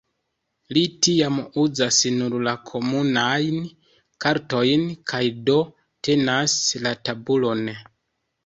Li tiam uzas nur la komunajn kartojn, kaj do "tenas la tabulon".